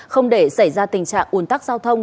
không để xảy ra tình trạng ủn tắc giao thông